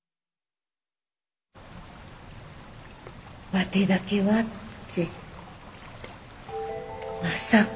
ワテだけはってまさか。